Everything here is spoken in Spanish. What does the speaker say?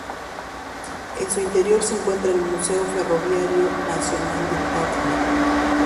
En su interior se encuentra el Museo Ferroviario Nacional de Tacna.